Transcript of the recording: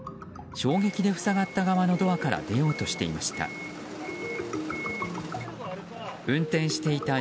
衝撃で塞がった側のドアから出ようとしていました。